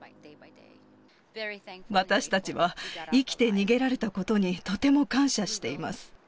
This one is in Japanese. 私たちは生きて逃げられたことに、とても感謝しています。